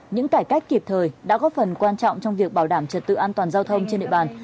những cải cách kịp thời đã góp phần quan trọng trong việc bảo đảm trật tự an toàn giao thông trên địa bàn